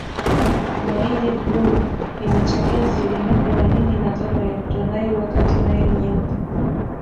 Naili bluu inachangia asilimia themanini na tano ya mto nile wakati nile nyeupe